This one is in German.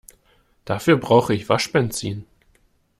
Dafür brauche ich Waschbenzin.